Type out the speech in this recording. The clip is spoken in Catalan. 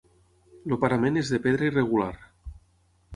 El parament és de pedra irregular.